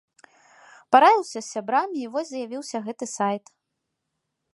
Параіўся з сябрамі і вось з'явіўся гэты сайт.